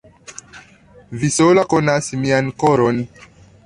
Vi sola konas mian koron.